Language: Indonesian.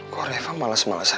ketemu di sekolah aja